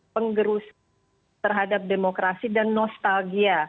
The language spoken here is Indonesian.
penggerus terhadap demokrasi dan nostalgia